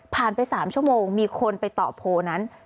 ไป๓ชั่วโมงมีคนไปตอบโพลนั้น